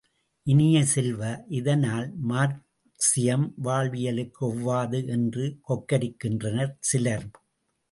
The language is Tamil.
இனிய செல்வ, இதனால் மார்க்சியம் வாழ்வியலுக்கு ஒவ்வாதது என்று கொக்கரிக்கின்றனர் சிலர்.